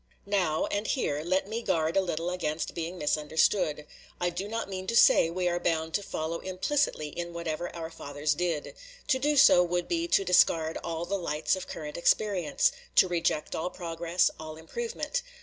Now, and here, let me guard a little against being misunderstood. I do not mean to say we are bound to follow implicitly in whatever our fathers did. To do so would be to discard all the lights of current experience to reject all progress, all improvement.